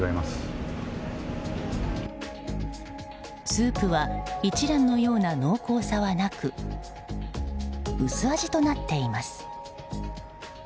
スープは一蘭のような濃厚さはなく薄味となっています。